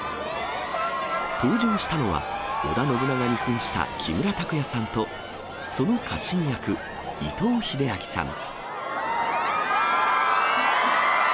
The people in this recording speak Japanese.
登場したのは、織田信長にふんした木村拓哉さんと、その家臣役、伊藤英明さん。